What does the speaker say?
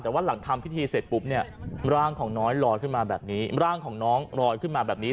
แต่ว่าหลังทำพิธีเสร็จปุ๊บร่างของน้อยลอยขึ้นมาแบบนี้